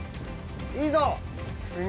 いいぞ！